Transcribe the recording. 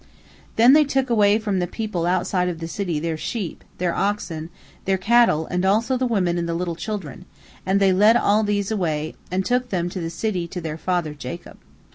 Then they took away from the people outside of the city their sheep, their oxen, their cattle, and also the women and the little children, and they led all these away, and took them to the city to their father Jacob.